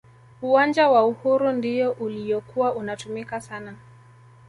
uwanja wa uhuru ndiyo uliyokuwa unatumika sana